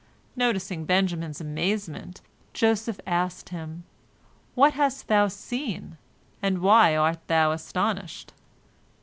Noticing Benjamin's amazement, Joseph asked him, "What hast thou seen, and why art thou astonished?"